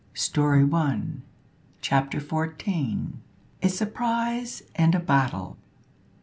STORY ONE, CHAPTER 14. A SURPRISE AND A BATTLE.